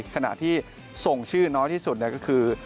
ขณะที่ส่งชื่อน้อยที่สุดก็คือ